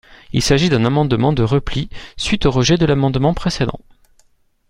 Il s’agit d’un amendement de repli suite au rejet de l’amendement précédent.